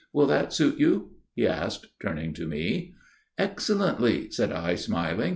Will that suit you?" he asked, turning to me. "Excellently," said I, smiling.